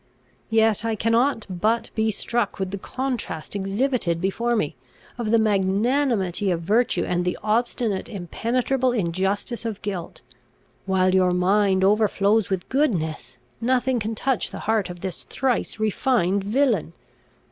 Yet I cannot but be struck with the contrast exhibited before me, of the magnanimity of virtue, and the obstinate impenetrable injustice of guilt. While your mind overflows with goodness, nothing can touch the heart of this thrice refined villain.